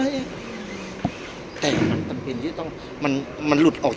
พี่อัดมาสองวันไม่มีใครรู้หรอก